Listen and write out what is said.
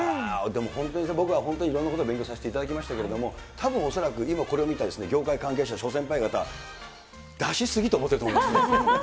本当に僕は本当にいろんなことを勉強させていただきましたけれども、たぶん、恐らく今これを見た業界関係者、諸先輩方、出し過ぎと思っていると思いますよ。